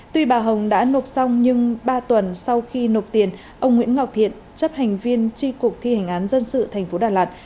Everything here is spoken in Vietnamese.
tuy bà hồng đã nộp xong nhưng ba tuần sau khi nộp tiền ông nguyễn ngọc thiện chấp hành viên tri cục thi hành án dân sự tp đà lạt